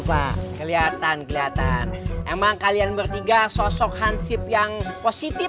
pak kelihatan kelihatan emang kalian bertiga sosok hansip yang positif